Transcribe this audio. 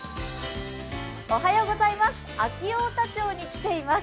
安芸太田町に来ています。